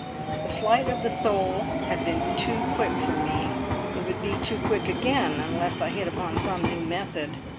The flight of the soul had been too quick for me; it would be too quick again unless I hit upon some new method.